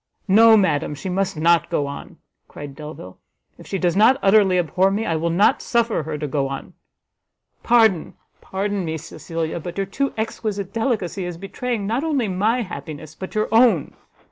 "No, madam, she must not go on!" cried Delvile, "if she does not utterly abhor me, I will not suffer her to go on; Pardon, pardon me, Cecilia, but your too exquisite delicacy is betraying not only my happiness, but your own.